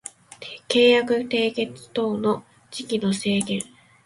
契約締結等の時期の制限